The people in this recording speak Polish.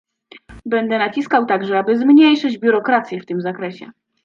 Będę naciskał także, aby zmniejszyć biurokrację w tym zakresie